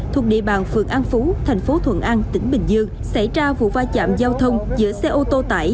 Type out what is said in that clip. thuộc địa bàn phượng an phú tp thuận an tỉnh bình dương xảy ra vụ va chạm giao thông giữa xe ô tô tải